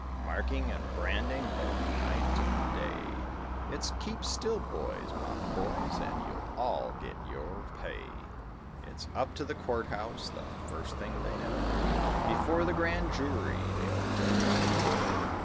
Marking and branding both night and day, It's "Keep still, boys, my boys, and you'll all get your pay." It's up to the courthouse, the first thing they know, Before the Grand Jury they'll have to go.